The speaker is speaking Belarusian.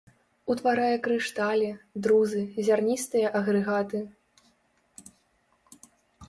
Утварае крышталі, друзы, зярністыя агрэгаты.